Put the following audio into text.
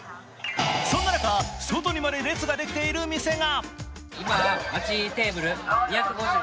そんな中、外にまで列ができている店が。